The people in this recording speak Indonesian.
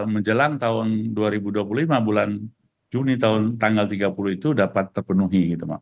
menjelang tahun dua ribu dua puluh lima bulan juni tanggal tiga puluh itu dapat terpenuhi